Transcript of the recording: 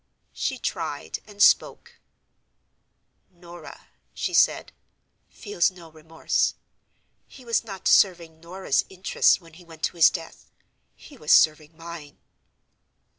She tried, and spoke: "Norah," she said, "feels no remorse. He was not serving Norah's interests when he went to his death: he was serving mine."